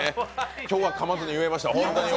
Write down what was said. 今日はかまずに言えました。